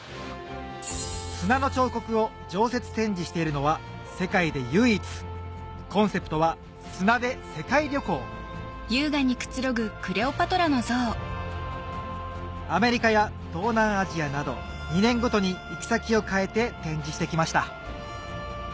砂の彫刻を常設展示しているのは世界で唯一コンセプトは砂で世界旅行アメリカや東南アジアなど２年ごとに行き先を変えて展示してきました